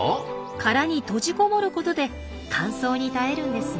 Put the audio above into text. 殻に閉じこもることで乾燥に耐えるんですよ。